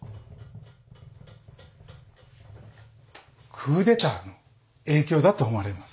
クーデターの影響だと思われます。